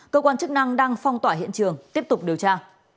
cơ quan chức năng đang phong tỏa hiện trường tiếp tục điều tra